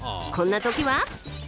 こんな時は。